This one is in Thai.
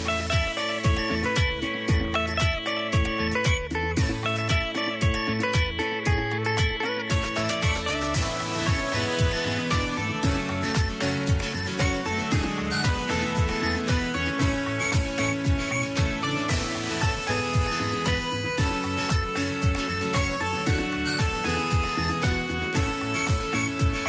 โปรดติดตามตอนต่อไป